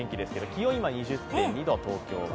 気温は今２０．２度です、東京は。